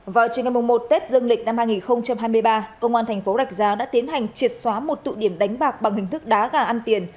vào trường ngày một tết dương lịch năm hai nghìn hai mươi ba công an thành phố rạch giá đã tiến hành triệt xóa một tụ điểm đánh bạc bằng hình thức đá gà ăn tiền